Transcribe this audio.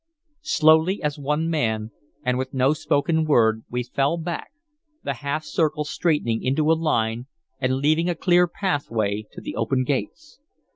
Slowly, as one man, and with no spoken word, we fell back, the half circle straightening into a line and leaving a clear pathway to the open gates.